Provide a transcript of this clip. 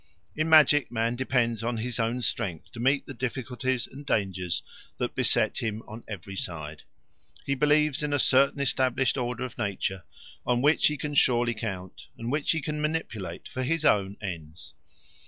In magic man depends on his own strength to meet the difficulties and dangers that beset him on every side. He believes in a certain established order of nature on which he can surely count, and which he can manipulate for his own ends.